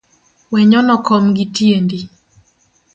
Wenyono kom gitiendi